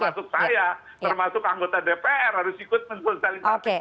termasuk saya termasuk anggota dpr harus ikut mensosialisasi